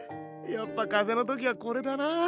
やっぱかぜの時はこれだな。